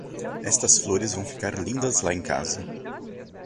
Estas flores vão ficar lindas lá em casa.